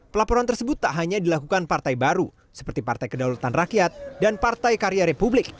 pelaporan tersebut tak hanya dilakukan partai baru seperti partai kedaulatan rakyat dan partai karya republik